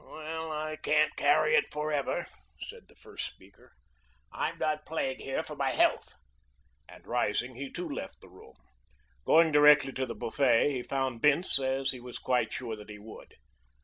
"Well, I can't carry it forever," said the first speaker. "I'm not playing here for my health," and, rising, he too left the room. Going directly to the buffet, he found Bince, as he was quite sure that he would.